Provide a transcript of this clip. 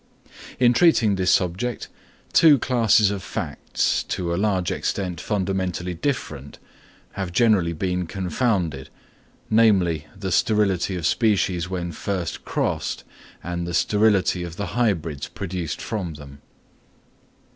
In treating this subject, two classes of facts, to a large extent fundamentally different, have generally been confounded; namely, the sterility of species when first crossed, and the sterility of the hybrids produced from them.